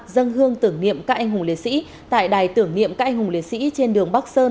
dân hương tưởng niệm các anh hùng liệt sĩ tại đài tưởng niệm các anh hùng liệt sĩ trên đường bắc sơn